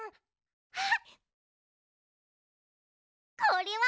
これは？